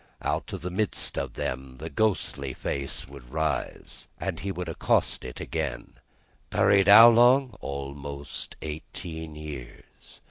Out of the midst of them, the ghostly face would rise, and he would accost it again. "Buried how long?" "Almost eighteen years."